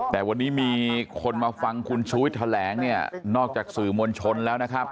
แต่วันนี้มีคนมาฟังคุณชูวิทย์แถลงเนี่ยนอกจากสื่อมวลชนแล้วนะครับ